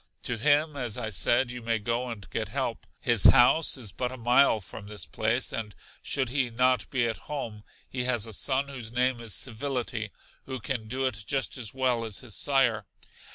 To him as I said, you may go and get help. His house in but a mile from this place, and should he not be at home, he has a son whose name is Civility, who can do it just as well as his sire.